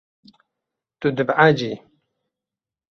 Tu dibehecî.